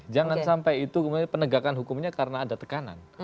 jangan sampai itu kemudian penegakan hukumnya karena ada tekanan